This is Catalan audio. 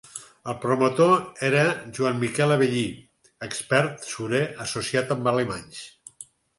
El promotor era Joan Miquel Avellí, expert surer associat amb alemanys.